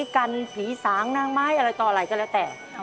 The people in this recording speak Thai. กันผีสางนางไม้อะไรต่ออะไรก็แล้วแต่